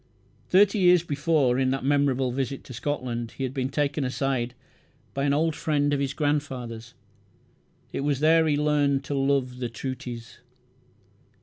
Thirty years before, in that memorable visit to Scotland, he had been taken aside by "an old friend of his grandfather's". It was there he learned "to love the trooties".